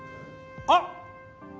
あっ！